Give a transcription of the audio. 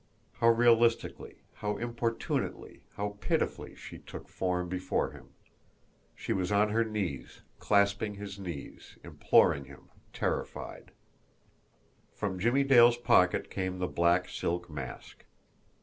How realistically, how importunately, how pitifully she took form before him! She was on her knees, clasping his knees, imploring him, terrified. From Jimmie Dale's pocket came the black silk mask.